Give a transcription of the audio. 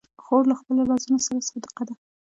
خور له خپلو رازونو سره صادقه ده.